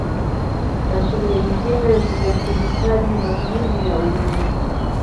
Na shughuli nyingine zenye kuhitaji matumizi ya umeme